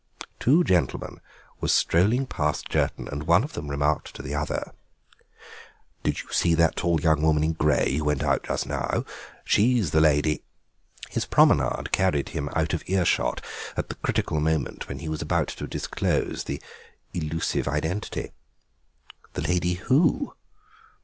Two gentlemen were strolling past Jerton, and one of them remarked to the other: "Did you see that tall young woman in grey who went out just now? She is the Lady—" His promenade carried him out of earshot at the critical moment when he was about to disclose the elusive identity. The Lady Who?